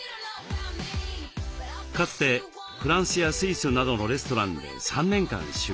かつてフランスやスイスなどのレストランで３年間修業。